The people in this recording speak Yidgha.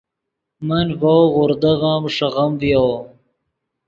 من ڤؤ غوردغیم ݰیغیم ڤیو